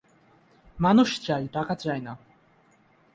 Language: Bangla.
মানুষ চাই, টাকা চাই না।